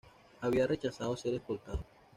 Había rechazado ser escoltado.